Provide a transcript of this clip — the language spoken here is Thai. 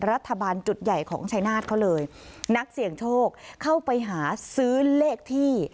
รัฐบาลจุดใหญ่ของชายนาฏเขาเลยนักเสี่ยงโชคเข้าไปหาซื้อเลขที่